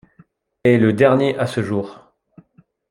Et le dernier à ce jour.